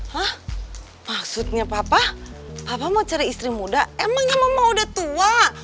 hah maksudnya papa papa mau cari istri muda emangnya mama udah tua